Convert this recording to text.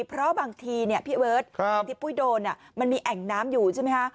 เพราะบางทีพี่เบิร์ตตอนที่ปุ้ยโดนมันมีแอ่งน้ำอยู่ใช่ไหมคะ